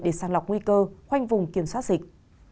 để sàng lọc nguy cơ khoanh vùng kiểm soát dịch